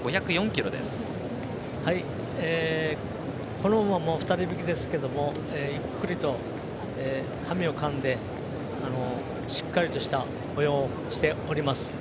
この馬も２人引きですけどもゆっくりと馬銜をかんでしっかりとした歩様をしております。